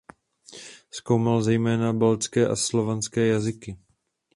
Zkoumal zejména baltské a slovanské jazyky.